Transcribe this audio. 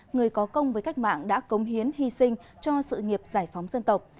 người có công với cách mạng đã cống hiến hy sinh cho sự nghiệp giải phóng dân tộc